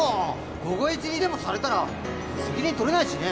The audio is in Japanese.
凍え死にでもされたら責任取れないしね。